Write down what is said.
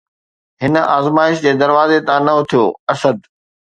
هن آزمائش جي دروازي تان نه اٿيو، اسد!